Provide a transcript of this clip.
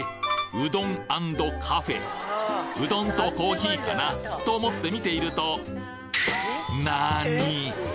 うどん＆カフェうどんとコーヒーかなと思って見ているとなに！？